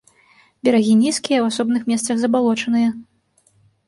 Берагі нізкія, у асобных месцах забалочаныя.